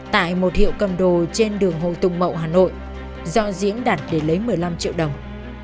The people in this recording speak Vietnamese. tại một hiệu cầm đồ trên đường hồ tùng mậu hà nội do diễn đặt để lấy một mươi năm triệu đồng